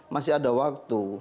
masih ada waktu